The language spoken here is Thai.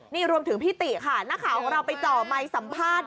นี่รวมถึงพี่ติค่ะนักข่าวของเราไปจ่อไมค์สัมภาษณ์